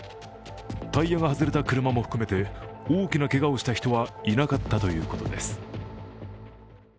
タイヤが外れた車も含めて大きなけがをした人はいなかったということです。